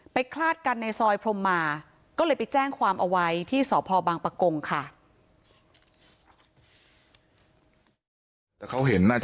คลาดกันในซอยพรมมาก็เลยไปแจ้งความเอาไว้ที่สพบังปะกงค่ะ